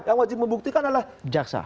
yang wajib membuktikan adalah jaksa